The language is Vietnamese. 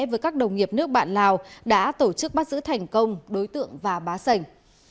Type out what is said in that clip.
với các đồng nghiệp nước bạn lào đã tổ chức bắt giữ thành công đối tượng và bá sảnh